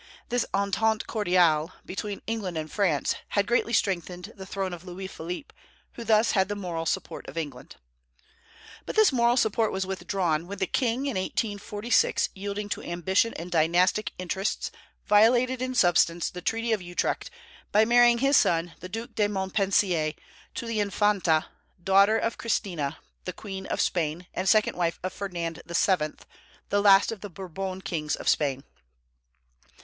This entente cordiale between England and France had greatly strengthened the throne of Louis Philippe, who thus had the moral support of England. But this moral support was withdrawn when the king, in 1846, yielding to ambition and dynastic interests, violated in substance the treaty of Utrecht by marrying his son, the Duc de Montpensier, to the Infanta, daughter of Christina the Queen of Spain, and second wife of Ferdinand VII., the last of the Bourbon kings of Spain.